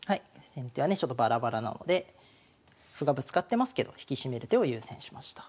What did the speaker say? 先手はねちょっとバラバラなので歩がぶつかってますけど引き締める手を優先しました。